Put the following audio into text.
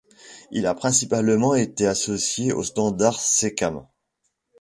Il a principalement été associé au standard Sécam.